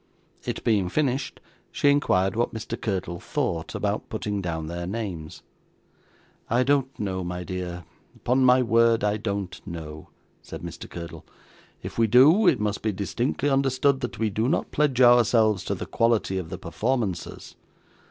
It being finished, she inquired what Mr. Curdle thought, about putting down their names. 'I don't know, my dear; upon my word I don't know,' said Mr. Curdle. 'If we do, it must be distinctly understood that we do not pledge ourselves to the quality of the performances.